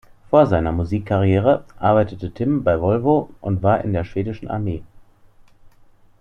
Vor seiner Musikkarriere arbeitete Tim bei Volvo und war in der schwedischen Armee.